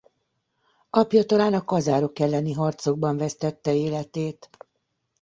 Apja talán a kazárok elleni harcokban vesztette életét.